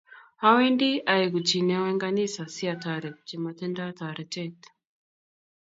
Awandi aeku chi neo eng kanisa siatoret che matindo toretet